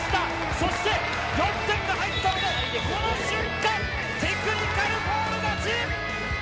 そして４点が入ったので、この瞬間、テクニカルフォール勝ち。